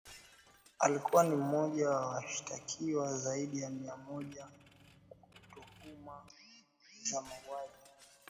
Alikuwa ni mmoja wa washitakiwa zaidi ya Mia moja kwa tuhuma za mauaji